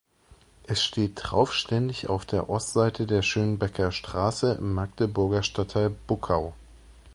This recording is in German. Es steht traufständig auf der Ostseite der Schönebecker Straße im Magdeburger Stadtteil Buckau.